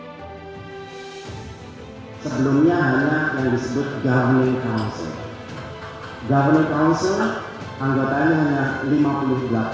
ini terdapat beberapa konten kerja di dalam sebuah habitat